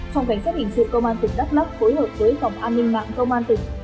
trong cảnh xét hình sự công an tỉnh đắk lắk phối hợp với tổng an ninh mạng công an tỉnh